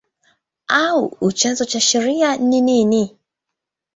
au chanzo cha sheria ni nini?